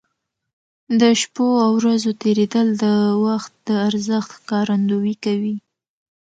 د شپو او ورځو تېرېدل د وخت د ارزښت ښکارندوي کوي.